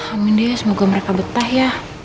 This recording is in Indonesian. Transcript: amin deh semoga mereka betah ya